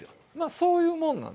そういうもんなんですよ。